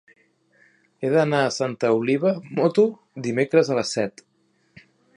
He d'anar a Santa Oliva amb moto dimecres a les set.